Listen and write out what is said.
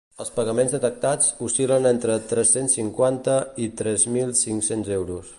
Els pagaments detectats oscil·len entre tres-cents cinquanta i tres mil cinc-cents euros.